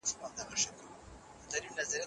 چا به پر مځکه باندي داسي ښار لیدلی نه وي